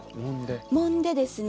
もんでですね